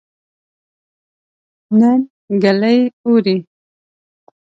نن ګلۍ اوري